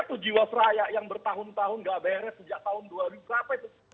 dia tuh jiwa fraya yang bertahun tahun enggak beres sejak tahun dua ribu apa itu